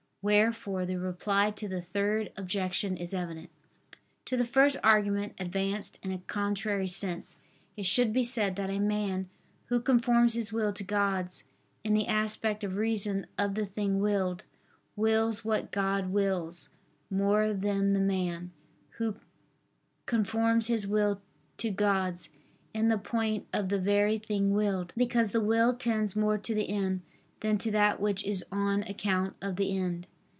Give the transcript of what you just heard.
Wherefore the reply to the Third Objection is evident. To the first argument advanced in a contrary sense, it should be said that a man who conforms his will to God's, in the aspect of reason of the thing willed, wills what God wills, more than the man, who conforms his will to God's, in the point of the very thing willed; because the will tends more to the end, than to that which is on account of the end.